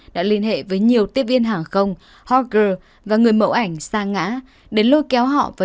đã liên hệ với nhiều tiếp viên hàng không hawker và người mẫu ảnh xa ngã